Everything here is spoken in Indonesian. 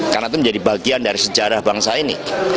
karena itu menjadi bagian dari sejarah bangsa ini